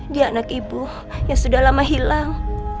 dia anak ibu yang sudah lama hilang